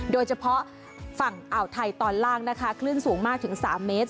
โดยเฉพาะฝั่งอ่าวไทยตอนล่างนะคะคลื่นสูงมากถึง๓เมตร